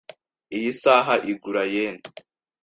Iyi saha igura yen .